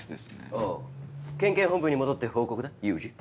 おう県警本部に戻って報告だユージ。